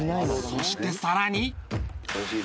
そしてさらに